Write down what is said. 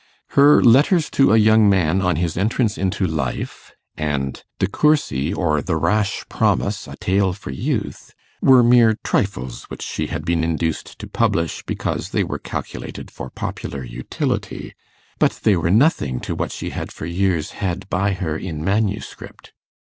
Her 'Letters to a Young Man on his Entrance into Life', and 'De Courcy, or the Rash Promise, a Tale for Youth', were mere trifles which she had been induced to publish because they were calculated for popular utility, but they were nothing to what she had for years had by her in manuscript.